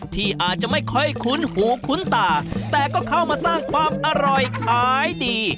ที่อาจจะไม่ค่อยคุ้นหูคุ้นตาแต่ก็เข้ามาสร้างความอร่อยขายดี